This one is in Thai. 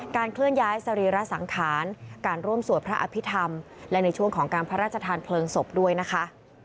เคลื่อนย้ายสรีระสังขารการร่วมสวดพระอภิษฐรรมและในช่วงของการพระราชทานเพลิงศพด้วยนะคะ